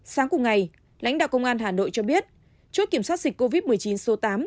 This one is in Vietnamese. sáng cùng ngày lãnh đạo công an hà nội cho biết chốt kiểm soát dịch covid một mươi chín số tám